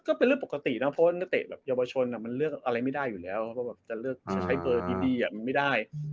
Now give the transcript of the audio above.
ก็เป็นเรื่องปกตินะเพราะว่านักเตะแบบเยาวชนมันเลือกอะไรไม่ได้อยู่แล้วเพราะแบบจะเลือกใช้เบอร์ที่ดีมันไม่ได้